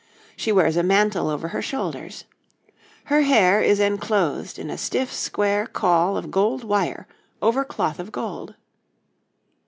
She wears a mantle over her shoulders. Her hair is enclosed in a stiff square caul of gold wire over cloth of gold.